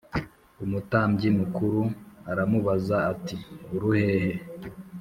umutambyi mukuru aramubaza ati uruhehe